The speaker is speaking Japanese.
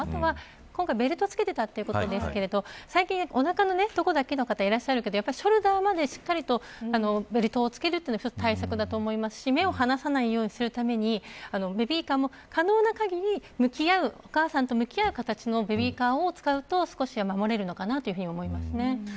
今回ベルトを付けていたということですけれど最近、おなかのところだけの方いらっしゃるけれどやっぱりショルダーまでベルトを着けるというのが大切だと思いますし目を離さないようにするためにベビーカーも可能な限りお母さんと向き合う形のベビーカーを使うと少しは守れるかと思います。